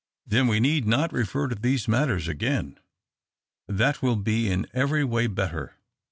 " Then we need not refer to these matters again. That will be in every way better.